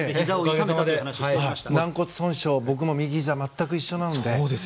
軟骨損傷、僕も右ひざ全く一緒なので。